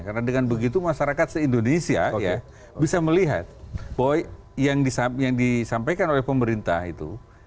karena dengan begitu masyarakat se indonesia bisa melihat bahwa yang disampaikan oleh pemerintah itu